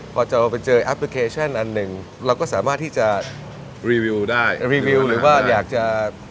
พอจะไปเจอแอปพลิเคชันอันหนึ่งเราก็สามารถที่จะรีวิวได้รีวิวหรือว่าอยากจะ